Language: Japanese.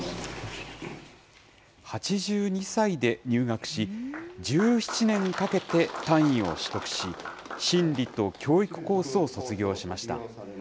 ８２歳で入学し、１７年かけて単位を取得し、心理と教育コースを卒業しました。